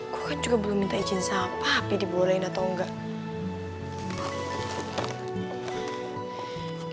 gue kan juga belum minta izin sama tapi dibolehin atau enggak